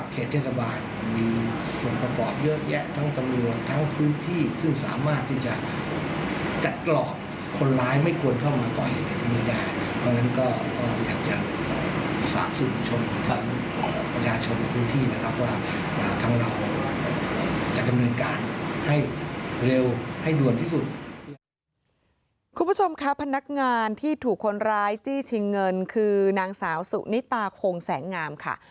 คุณผู้ชมค่ะพนักงานที่ถูกคนร้ายจี้ชิงเงินคือนางสาวสุนิตาคงแสงงามค่ะ